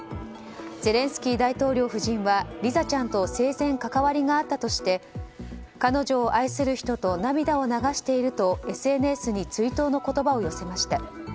ゼレンスキー大統領夫人はリザちゃんと生前関わりがあったとして彼女を愛する人と涙を流しているとＳＮＳに追悼の言葉を寄せました。